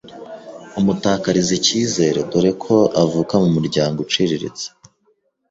umutakariza icyizere, dore ko avuka mu muryango uciriritse